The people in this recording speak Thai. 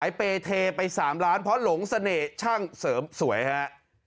เปย์เทไป๓ล้านเพราะหลงเสน่ห์ช่างเสริมสวยฮะ